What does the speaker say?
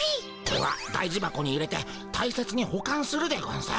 これは大事箱に入れてたいせつにほかんするでゴンス。